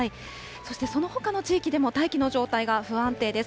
そしてそのほか地域でも大気の状態が不安定です。